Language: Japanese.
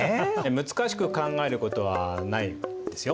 難しく考えることはないですよ。